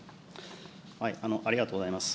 ありがとうございます。